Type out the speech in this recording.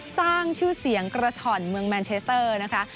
สร้างชื่อเสียงกระฉ่อนเมืองแมนเชสเตอร์นะคะ